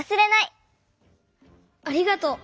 ありがとう！